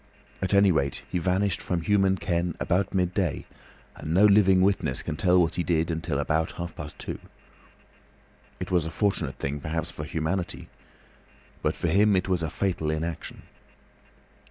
At any rate he vanished from human ken about midday, and no living witness can tell what he did until about half past two. It was a fortunate thing, perhaps, for humanity, but for him it was a fatal inaction.